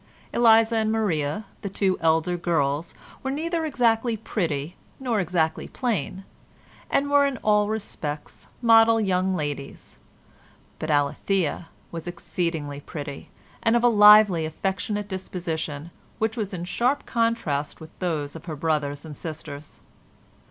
Eliza and Maria, the two elder girls, were neither exactly pretty nor exactly plain, and were in all respects model young ladies, but Alethea was exceedingly pretty and of a lively, affectionate disposition, which was in sharp contrast with those of her brothers and sisters.